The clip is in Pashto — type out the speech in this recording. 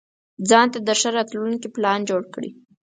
ځانته د ښه راتلونکي پلان جوړ کړئ.